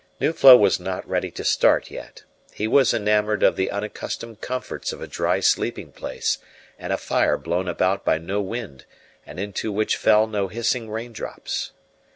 Nuflo was not ready to start yet; he was enamoured of the unaccustomed comforts of a dry sleeping place and a fire blown about by no wind and into which fell no hissing raindrops.